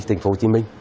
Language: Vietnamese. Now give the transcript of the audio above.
ở thành phố hồ chí minh